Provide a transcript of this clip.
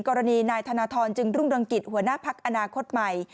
กรณีนายธนทรจึงรุ่งเรืองกิจหัวหน้าพักอนาคตใหม่